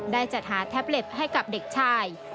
จัดหาแท็บเล็ตให้กับเด็กชาย